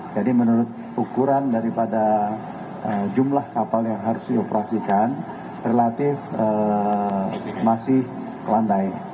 jadi menurut ukuran daripada jumlah kapal yang harus dioperasikan relatif masih landai